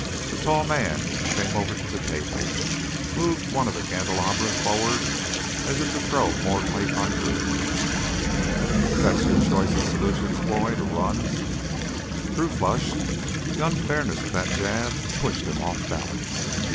The tall man came over to the table, moved one of the candelabra forward as if to throw more light on Drew. "That your choice of solutions, boy—to run?" Drew flushed. The unfairness of that jab pushed him off balance.